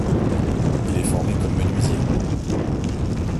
Il est formé comme menuisier.